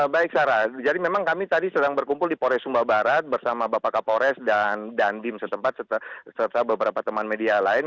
baik sarah jadi memang kami tadi sedang berkumpul di pores sumba barat bersama bapak kapolres dan dandim setempat serta beberapa teman media lain